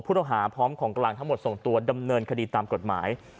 ต้องหาพร้อมของกลางทั้งหมดส่งตัวดำเนินคดีตามกฎหมาย